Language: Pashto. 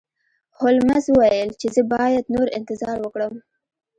هولمز وویل چې زه باید نور انتظار وکړم.